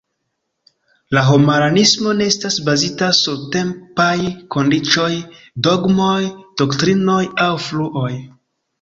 La homaranismo ne estas bazita sur tempaj kondiĉoj, dogmoj, doktrinoj aŭ fluoj.